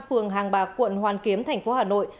phường hàng bạc quận hoàn kiếm thành phố hà nội